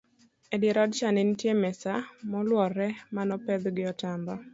edier odcha nenitie mesa moluorore manopedh gi otamba